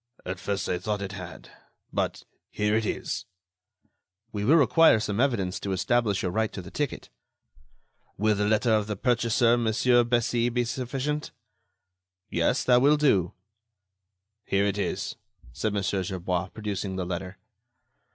"At first, I thought it had ... but here it is." "We will require some evidence to establish your right to the ticket." "Will the letter of the purchaser, Monsieur Bessy, be sufficient!" "Yes, that will do." "Here it is," said Mon. Gerbois, producing the letter.